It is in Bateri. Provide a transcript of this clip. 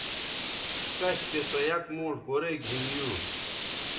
کش چہء سو یک موݜ گورئ گِھن یو